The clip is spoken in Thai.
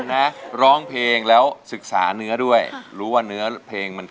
ฝางศาติสุดท้ายยังหมด